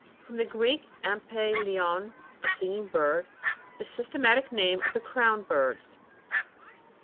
— From the Greek, ampt leon^ a singing bird. The systema tic name of the crown birds.